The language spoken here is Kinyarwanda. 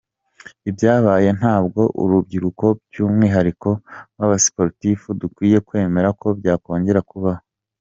Ibyabaye ntabwo urubyiruko by’umwihariko nk’abasiporutifu dukwiye kwemera ko byakongera kubaho.